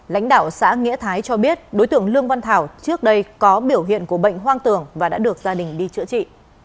lãnh đạo xã nghĩa thái cho biết đối tượng lương văn thảo trước đây có biểu hiện của bệnh hoang tưởng và đã được gia đình đi chữa trị